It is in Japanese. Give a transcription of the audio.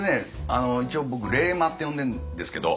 一応僕「冷マ」って呼んでんですけど。